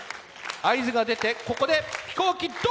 合図が出てここで飛行機どうか！